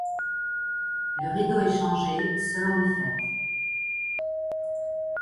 Le rideau est changé selon les fêtes.